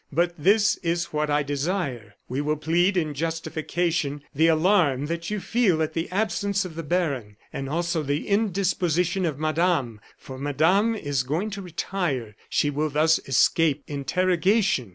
But this is what I desire. We will plead in justification, the alarm that you feel at the absence of the baron, and also the indisposition of madame for madame is going to retire she will thus escape interrogation.